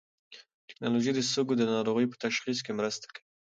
ټېکنالوژي د سږو د ناروغۍ په تشخیص کې مرسته کوي.